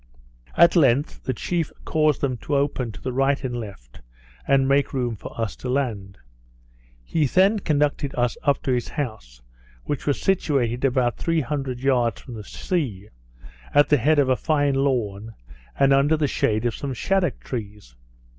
At length the chief caused them to open to the right and left, and make room for us to land. He then conducted us up to his house, which was situated about three hundred yards from the sea, at the head of a fine lawn, and under the shade of some shaddock trees.